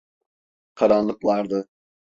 Karanlık vardı.